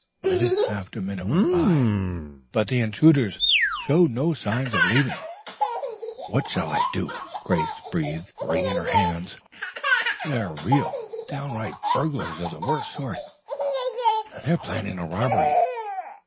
Minute after minute went by, but the intruders showed no signs of leaving. "What shall I do?" Grace breathed, wringing her hands. "They're real, downright burglars of the worst sort, and they're planning a robbery.